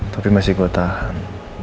tapi masih gue tahan